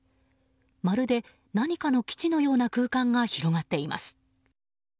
まるで何かの基地のような空間が広がっています。